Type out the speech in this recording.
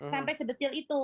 sampai sebetul itu